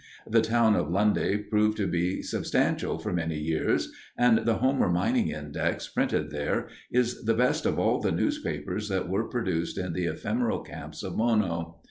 The town of Lundy proved to be substantial for many years, and the Homer Mining Index, printed there, is the best of all the newspapers that were produced in the ephemeral camps of Mono.